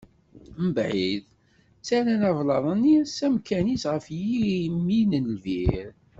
Mbeɛd, ttarran ablaḍ-nni s amkan-is, ɣef yimi n lbir.